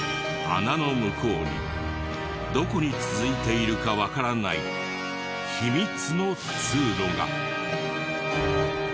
穴の向こうにどこに続いているかわからない秘密の通路が。